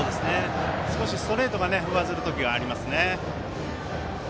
少しストレートが上ずる時がありますね。